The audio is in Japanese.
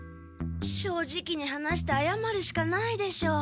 正直に話してあやまるしかないでしょう。